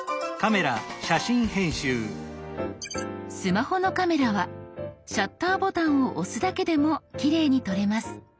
スマホのカメラはシャッターボタンを押すだけでもきれいに撮れます。